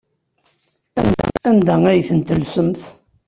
Anda ay tent-tellsemt?